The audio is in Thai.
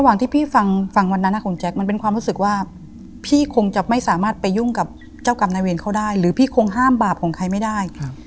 ที่พี่ฟังวันนั้นคุณแจ๊คมันเป็นความรู้สึกว่าพี่คงจะไม่สามารถไปยุ่งกับเจ้ากรรมนายเวรเขาได้หรือพี่คงห้ามบาปของใครไม่ได้